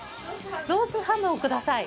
ロースハムを下さい。